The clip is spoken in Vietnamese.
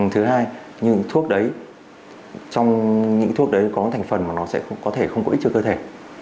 thứ hai những thuốc đấy có thành phần mà nó sẽ không có ích cho cơ thể